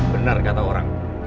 benar kata orang